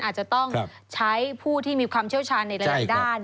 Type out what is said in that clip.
อาจจะต้องใช้ผู้ที่มีความเชี่ยวชาญในหลายด้าน